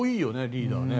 リーダーね。